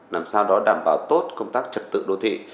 làm sao đó đảm bảo tốt công tác trật tự đô thị